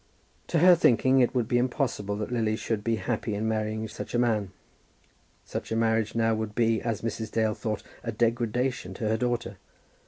To her thinking it would be impossible that Lily should be happy in marrying such a man. Such a marriage now would be, as Mrs. Dale thought, a degradation to her daughter.